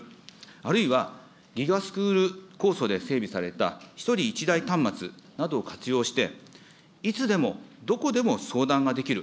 あるいはＧＩＧＡスクール構想で整備された１人１台端末などを活用して、いつでもどこでも相談ができる、